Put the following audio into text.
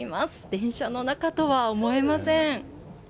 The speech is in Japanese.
電車の中とは思えません。